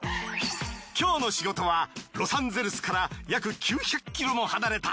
今日の仕事はロサンゼルスから約９００キロも離れた。